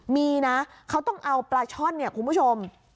มีนะเขาต้องเอาปลาช่อนเนี่ยคุณผู้ชม